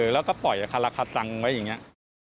แล้วก็ปล่อยคาราคาซังไว้อย่างนี้